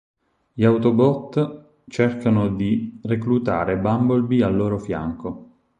Gli Autobot cercano di reclutare Bumblebee al loro fianco.